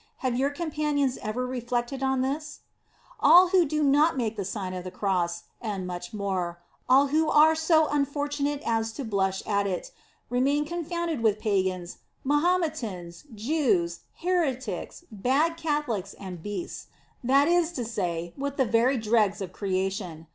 Have your companions ever reflected on this ? All who do not make the Sign of the Cross, and much more, all who are so unfortunate as to blush at it, remain confounded with Pagans, Mahometans, Jews, Heretics, bad Catholics and beasts, that is to say, with the very dregs of creation.